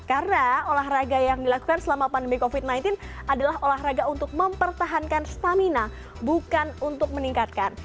karena olahraga yang dilakukan selama pandemi covid sembilan belas adalah olahraga untuk mempertahankan stamina bukan untuk meningkatkan